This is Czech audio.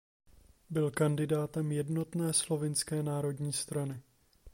Byl kandidátem jednotné slovinské Národní strany.